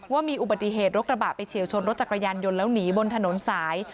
ว่ามีอุบัติเหตุรถกระบะไปเฉียวชนรถจักรยานยนต์แล้วหนีบนถนนสาย